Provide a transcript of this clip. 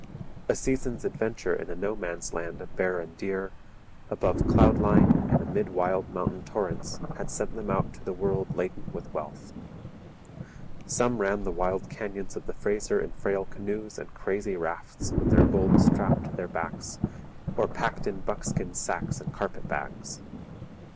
A season's adventure in a no man's land of bear and deer, above cloud line and amid wild mountain torrents, had sent them out to the world laden with wealth. Some ran the wild canyons of the Fraser in frail canoes and crazy rafts with their gold strapped to their backs or packed in buckskin sacks and carpet bags.